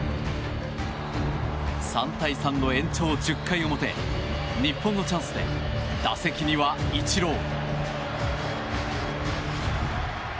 ３対３の延長１０回表日本のチャンスで打席にはイチロー。